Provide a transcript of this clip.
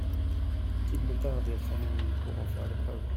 Qu’il me tarde d’être à minuit pour en faire l’épreuve !